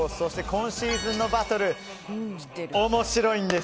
今シーズンのバトル面白いんです。